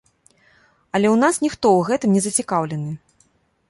Але ў нас ніхто ў гэтым не зацікаўлены.